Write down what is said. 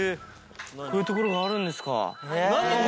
こういう所があるんですか。